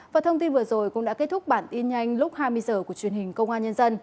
cảm ơn quý vị và các bạn đã dành thời gian theo dõi